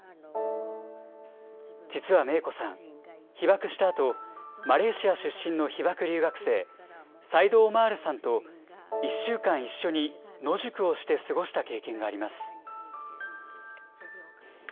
実は明子さん、被爆したあと、マレーシア出身の被爆留学生、サイド・オマールさんと１週間一緒に野宿をして過ごした経験があります。